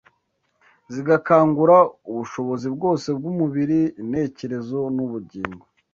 zigakangura ubushobozi bwose bw’umubiri, intekerezo n’ubugingo.